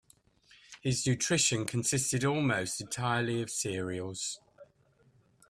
His nutrition consisted almost entirely of cereals.